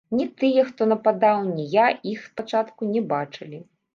Ні тыя, хто нападаў, ні я іх спачатку не бачылі.